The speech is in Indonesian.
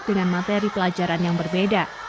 dengan materi pelajaran yang berbeda